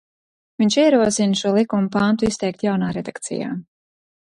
Viņš ierosina šo likuma pantu izteikt jaunā redakcijā.